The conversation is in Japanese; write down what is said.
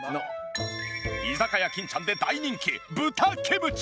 居酒屋金ちゃんで大人気豚キムチ